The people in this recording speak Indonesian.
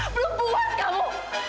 belum buas kamu